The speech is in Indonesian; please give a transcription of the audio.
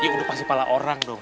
udah pasti kepala orang dong